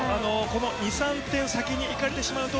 ２３点先にいかれてしまうと